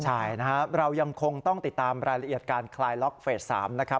ใช่นะครับเรายังคงต้องติดตามรายละเอียดการคลายล็อกเฟส๓นะครับ